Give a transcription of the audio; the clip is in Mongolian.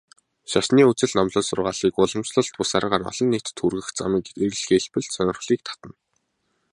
Шашны үзэл номлол, сургаалыг уламжлалт бус аргаар олон нийтэд хүргэх замыг эрэлхийлбэл сонирхлыг татна.